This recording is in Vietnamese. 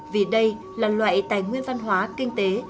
vì đây là loại tài nguyên văn hóa kinh tế